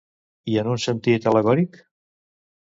I en un sentit al·legòric?